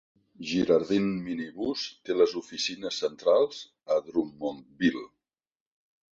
Girardin Minibus té les oficines centrals a Drummondville.